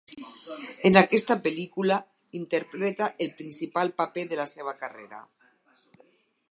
En aquesta pel·lícula, interpreta el principal paper de la seva carrera.